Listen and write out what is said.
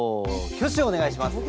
挙手をお願いします！